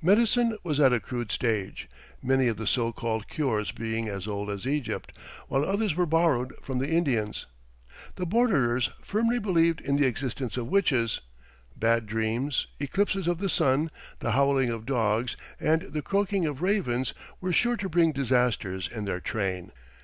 Medicine was at a crude stage, many of the so called cures being as old as Egypt, while others were borrowed from the Indians. The borderers firmly believed in the existence of witches; bad dreams, eclipses of the sun, the howling of dogs, and the croaking of ravens, were sure to bring disasters in their train.